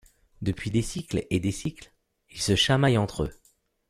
Depuis des cycles et des cycles, ils se chamaillent entre eux.